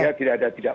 ya tidak ada tidak